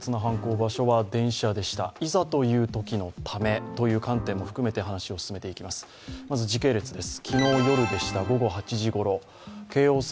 場所は電車でした、いざというときのためという観点も含めて話を進めていきます。